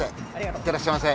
行ってらっしゃいませ。